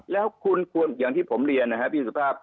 แล้วคุณควรอย่างที่ผมเรียนนะครับพี่สุภาพ